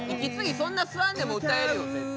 そんな吸わんでも歌えるよ絶対。